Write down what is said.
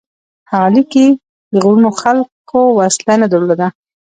هغه لیکي: د غرونو خلکو وسله نه درلوده،